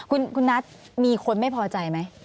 คุณนัทมีคนไม่พอใจไหม